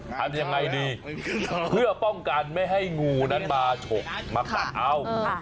ทำยังไงดีเพื่อป้องกันไม่ให้งูนั้นมาฉกมากัดเอา